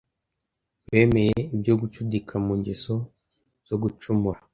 Bemeye ibyo gucudika Mu ngeso zo gucumura